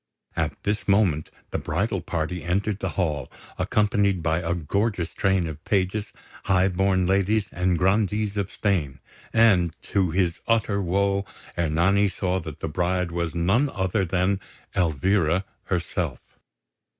At this moment the bridal party entered the hall, accompanied by a gorgeous train of pages, high born ladies, and Grandees of Spain; and, to his utter woe, Ernani saw that the bride was none other than Elvira herself.